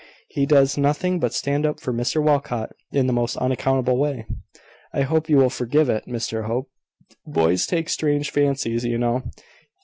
"He does nothing but stand up for Mr Walcot in the most unaccountable way! I hope you will forgive it, Mr Hope. Boys take strange fancies, you know.